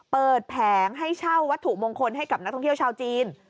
แผงให้เช่าวัตถุมงคลให้กับนักท่องเที่ยวชาวจีน